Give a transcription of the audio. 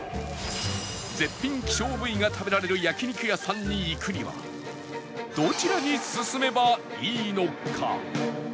絶品希少部位が食べられる焼肉屋さんに行くにはどちらに進めばいいのか？